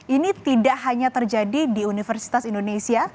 ini tidak hanya terjadi di universitas indonesia